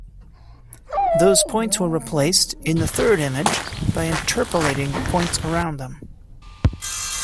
Those points were replaced, in the third image, by interpolating the points around them.